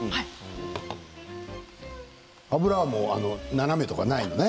斜めとかないのね。